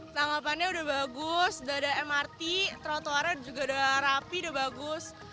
tanggapannya udah bagus udah ada mrt trotoarnya juga udah rapi udah bagus